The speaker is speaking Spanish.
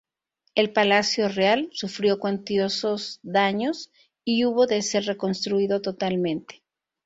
El Palacio Real sufrió cuantiosos daños y hubo de ser reconstruido totalmente.